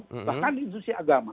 bahkan di institusi agama